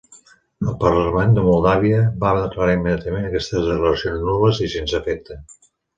El parlament de Moldàvia va declarar immediatament aquestes declaracions nul·les i sense efecte.